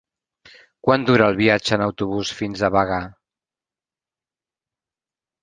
Quant dura el viatge en autobús fins a Bagà?